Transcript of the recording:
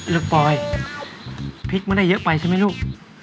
ลูกปลอยพริกมันได้เยอะไปใช่มั้ยลูก